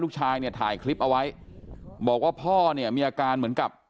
ลูกชายเนี่ยถ่ายคลิปเอาไว้บอกว่าพ่อเนี่ยมีอาการเหมือนกับ